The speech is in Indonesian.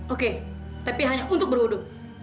oke tapi hanya untuk berwudhu